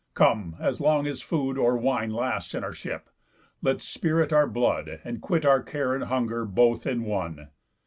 Come, as long as food Or wine lasts in our ship, let's spirit our blood, And quit our care and hunger both in one.